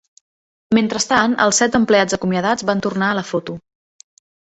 Mentrestant, els set empleats acomiadats van tornar a la foto.